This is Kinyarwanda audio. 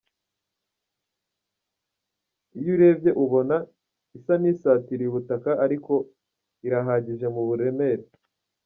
Uyirebye ubona isa n’isatiriye ubutaka ariko irihagije mu buremere.